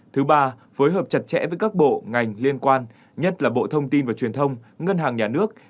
thứ ba phối hợp chặt chẽ với các bộ ngành liên quan nhất là bộ thông tin và truyền thông ngân hàng nhà nước